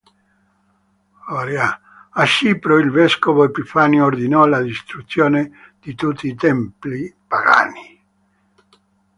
A Cipro il vescovo Epifanio ordinò la distruzione di tutti i templi pagani.